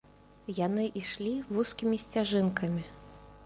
Яны ішлі вузкімі сцяжынкамі.